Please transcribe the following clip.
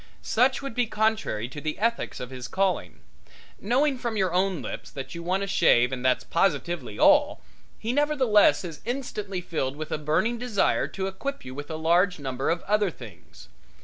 Such would be contrary to the ethics of his calling. Knowing from your own lips that you want a shave and that's positively all, he nevertheless is instantly filled with a burning desire to equip you with a large number of other things.